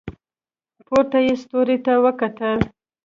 پورته یې ستوري ته وکتل.